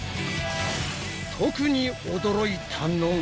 特に驚いたのが！